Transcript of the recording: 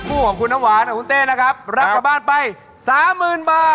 คู่ของคุณน้ำหวานกับคุณเต้นะครับรับกลับบ้านไปสามหมื่นบาท